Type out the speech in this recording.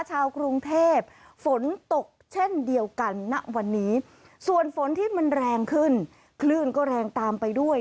ชาวกรุงเทพฝนตกเช่นเดียวกันณวันนี้ส่วนฝนที่มันแรงขึ้นคลื่นก็แรงตามไปด้วย